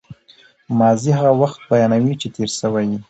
ماضي هغه وخت بیانوي، چي تېر سوی يي.